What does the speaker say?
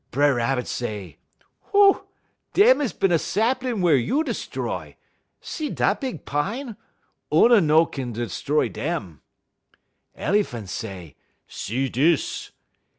B'er Rabbit say: "'Hoo! dem is bin a saplin' wey you 'stroy. See da big pine? Oona no kin 'stroy dem.' "El'phan' say: 'See dis!'